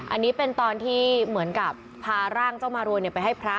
อันนี้เป็นตอนที่เหมือนกับพาร่างเจ้ามารวยไปให้พระ